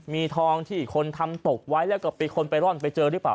มีทองที่คนทำตกไว้แล้วก็มีคนไปร่อนไปเจอหรือเปล่า